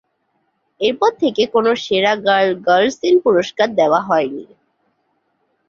এরপর থেকে কোনো "সেরা গার্ল-গার্ল সিন" পুরস্কার দেওয়া হয়নি।